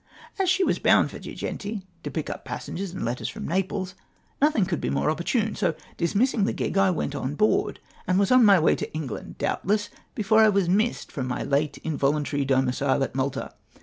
As she was bound to Girgenti, to pick up passengers and letters from Naples, nothing could be more opportune ; so, dismissing the gig, I went on board, and was on my way to England, doubtless, before I was missed from my late involuntary domicile at Malta.